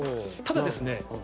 ただですね